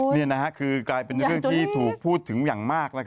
นี่คือกลายเป็นเรื่องที่ถูกพูดถึงอย่างมาก